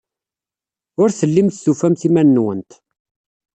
Ur tellimt tufamt iman-nwent.